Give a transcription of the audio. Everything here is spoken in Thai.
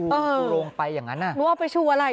ชูโรงไปอย่างนั้นนึงเอาไปชูอะไรเนี่ย